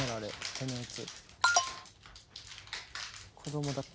手のやつ？